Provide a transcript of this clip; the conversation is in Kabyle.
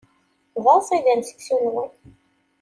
D aẓidan seksu-nwen.